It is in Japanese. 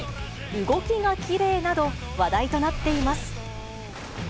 動きがきれいなど、話題となっています。